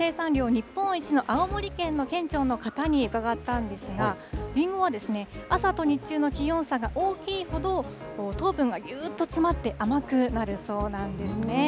日本一の青森県の県庁の方に伺ったんですが、りんごは朝と日中の気温差が大きいほど、糖分がぎゅーっと詰まって、甘くなるそうなんですね。